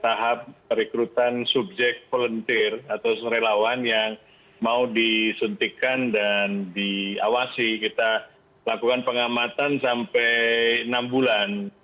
tahap perekrutan subjek volunteer atau relawan yang mau disuntikan dan diawasi kita lakukan pengamatan sampai enam bulan